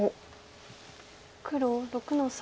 黒６の三。